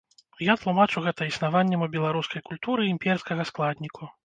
Я тлумачу гэта існаваннем у беларускай культуры імперскага складніку.